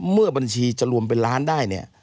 เมื่อบัญชีจะรวมเป็นล้านได้เนี่ย